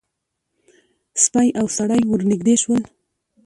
سپی او سړی ور نږدې شول.